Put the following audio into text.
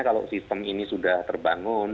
kalau sistem ini sudah terbangun